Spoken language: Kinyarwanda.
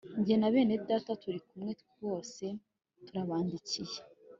jye na bene Data turi kumwe bose turabandikiye